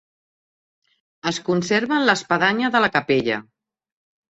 Es conserven l'espadanya de la capella.